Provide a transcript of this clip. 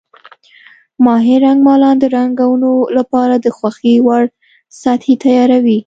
ماهر رنګمالان د رنګونو لپاره د خوښې وړ سطحې تیاروي.